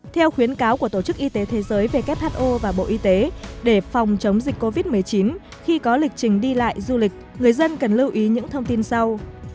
theo khuyến cáo của tổ chức y tế thế giới who và bộ y tế để phòng chống dịch covid một mươi chín khi có lịch trình đi lại du lịch người dân cần lưu ý những thông tin sau